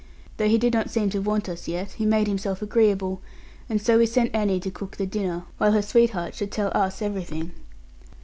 Though he did not seem to want us yet, he made himself agreeable; and so we sent Annie to cook the dinner while her sweetheart should tell us everything.